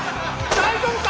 大丈夫か？